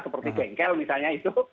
seperti bengkel misalnya itu